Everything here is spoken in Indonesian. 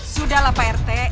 sudahlah pak rt